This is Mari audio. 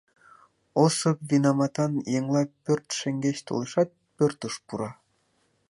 Осып винаматан еҥла пӧрт шеҥгеч толешат, пӧртыш пура.